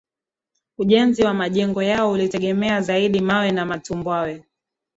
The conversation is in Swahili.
Ujenzi wa majengo yao ulitegemea zaidi mawe na matumbawe